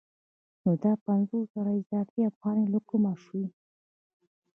نو دا پنځوس زره اضافي افغانۍ له کومه شوې